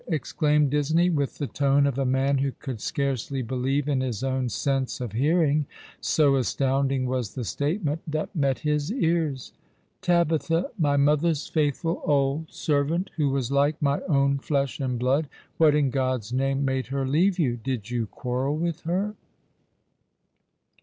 " exclaimed Disney, with the tone of a man who could scarcely believe in his own sense of hearing, so astounding was the statement that met his ears. " Tabitha, my mother's faithful old servant, who was like my own flesh and blood ! What in God's name made her leave you ? Did you quarrel with her